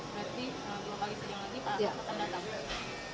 berarti dua pagi setengah lagi pak akan datang